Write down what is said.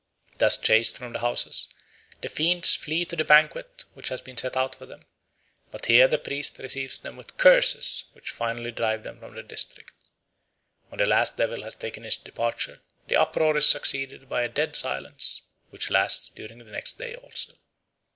Thus chased from the houses, the fiends flee to the banquet which has been set out for them; but here the priest receives them with curses which finally drive them from the district. When the last devil has taken his departure, the uproar is succeeded by a dead silence, which lasts during the next day also.